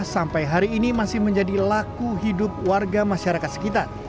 sampai hari ini masih menjadi laku hidup warga masyarakat sekitar